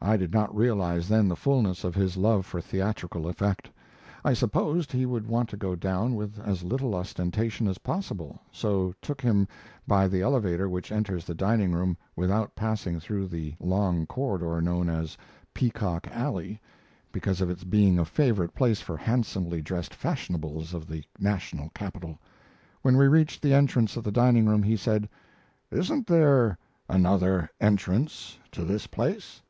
I did not realize then the fullness of his love for theatrical effect. I supposed he would want to go down with as little ostentation as possible, so took him by the elevator which enters the dining room without passing through the long corridor known as "Peacock Alley," because of its being a favorite place for handsomely dressed fashionables of the national capital. When we reached the entrance of the dining room he said: "Isn't there another entrance to this place?"